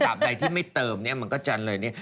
ใดที่ไม่เติมเนี่ยมันก็จะเลยเนี่ย